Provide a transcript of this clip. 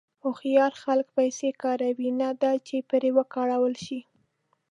هوښیار خلک پیسې کاروي، نه دا چې پرې وکارول شي.